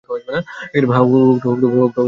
হক -টু, আমাকে শুনতে পারছেন?